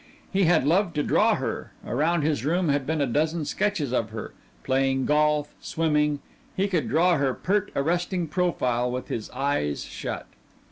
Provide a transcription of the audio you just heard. He had loved to draw her around his room had been a dozen sketches of her playing golf, swimming he could draw her pert, arresting profile with his eyes shut.